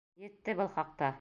Етте был хаҡта!